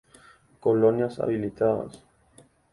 Colonias habilitadas.